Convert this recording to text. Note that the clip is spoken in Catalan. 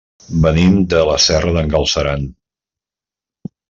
Venim de la Serra d'en Galceran.